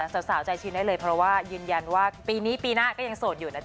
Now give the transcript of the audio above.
สาวใจชินได้เลยเพราะว่ายืนยันว่าปีนี้ปีหน้าก็ยังโสดอยู่นะจ